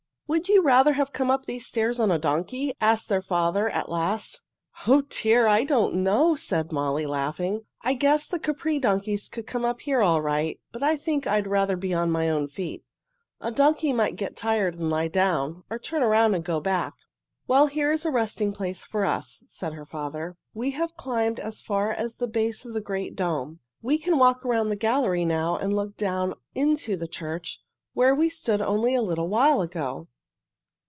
"Would you rather have come up these stairs on a donkey?" asked their father at last. "Oh, dear! I don't know," said Molly, laughing. "I guess the Capri donkeys could come up here all right, but I think I'd rather be on my own feet. A donkey might get tired and lie down, or turn around and go back." "Well, here is a resting place for us," said her father. "We have climbed as far as the base of the great dome. We can walk around the gallery now and look down into the church where we stood only a little while ago."